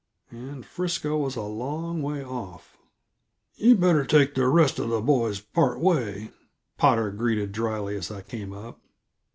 And Frisco was a long way off! "You'd better take the rest of the boys part way," Potter greeted dryly as I came up.